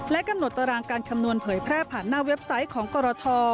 กำหนดตารางการคำนวณเผยแพร่ผ่านหน้าเว็บไซต์ของกรท